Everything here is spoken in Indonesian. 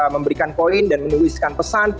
memberikan poin dan menuliskan pesan